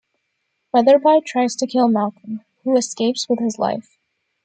Weatherby tries to kill Malcolm, who escapes with his life.